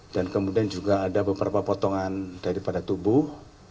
dan kemudian juga ada beberapa potongan daripada tubuh